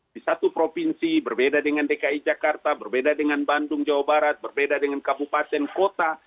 di satu provinsi berbeda dengan dki jakarta berbeda dengan bandung jawa barat berbeda dengan kabupaten kota